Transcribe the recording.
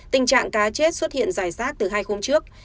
tình trạng cá chết xuất hiện dài rác từ hai hôm trước